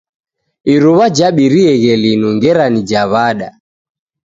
Iru'wa jabirieghe linu, ngera ni ja w'ada.